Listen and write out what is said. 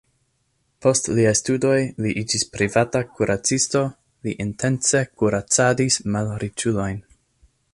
Post siaj studoj li iĝis privata kuracisto, li intence kuracadis malriĉulojn.